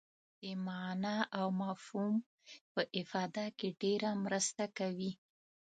د معنا او مفهوم په افاده کې ډېره مرسته کوي.